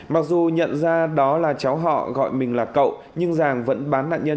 mặc dù nhận ra đó là cháu họ gọi mình là cậu nhưng giàng vẫn bán nạn nhân